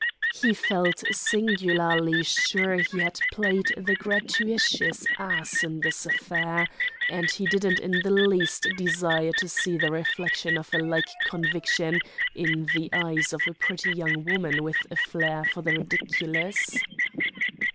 He felt singularly sure he had played the gratuitous ass in this affair, and he didn't in the least desire to see the reflection of a like conviction in the eyes of a pretty young woman with a flair for the ridiculous.